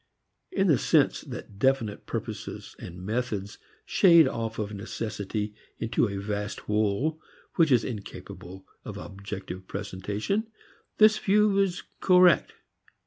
In the sense that definite purposes and methods shade off of necessity into a vast whole which is incapable of objective presentation this view is correct.